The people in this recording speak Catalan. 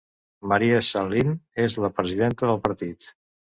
Maria Sahlin és la presidenta del partit.